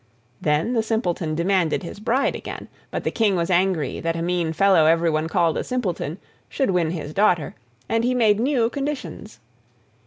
Then the Simpleton demanded his bride again, but the King was angry that a mean fellow everyone called a Simpleton should win his daughter, and he made new conditions.